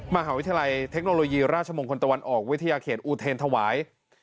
มหาวิทยาลัยเทคโนโลยีราชมงคลตะวันออกวิทยาเขตอูเทนถวาย